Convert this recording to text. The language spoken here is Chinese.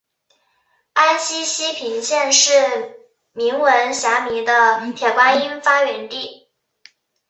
安溪西坪镇是名闻遐迩的铁观音发源地。